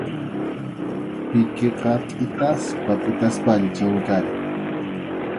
Pikiqa pʼitaspa pʼitaspalla chinkarin.